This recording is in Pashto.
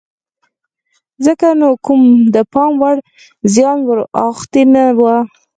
ځکه نو کوم د پام وړ زیان ور اوښتی نه و.